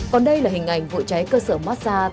còn đây là hình ảnh vụ cháy cơ sở massage